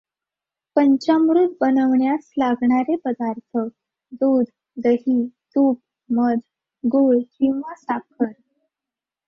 पंचामृत बनवण्यास लागणारे पदार्थ दूध दही तूप मध गूळ किंवा साखर.